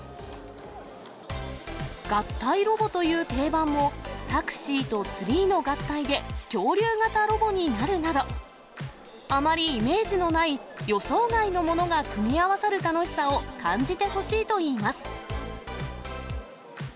合体ロボという定番も、タクシーとツリーの合体で、恐竜型ロボになるなど、あまりイメージのない予想外のものが組み合わさる楽しさを、感じてほしいといいます。